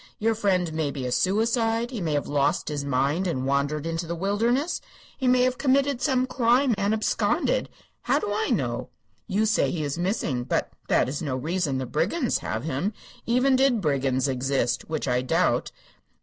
Your friend may be a suicide; he may have lost his mind and wandered into the wilderness; he may have committed some crime and absconded. How do I know? You say he is missing, but that is no reason the brigands have him, even did brigands exist, which I doubt.